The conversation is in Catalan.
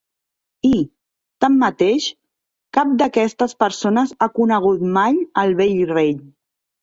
I, tanmateix, cap d'aquestes persones ha conegut mai el vell rei.